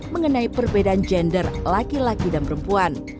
mengenai perbedaan gender laki laki dan perempuan